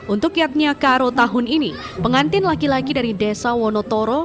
untuk kiatnya karo tahun ini pengantin laki laki dari desa wonotoro